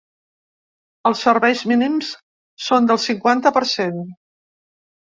Els serveis mínims són del cinquanta per cent.